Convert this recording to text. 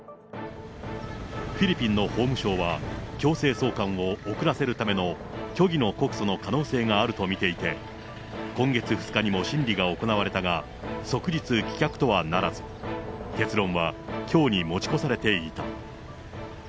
フィリピンの法務省は、強制送還を遅らせるための虚偽の告訴の可能性があると見ていて、今月２日にも審理が行われたが、即日棄却とはならず、結論はきょうに持ち越されていた。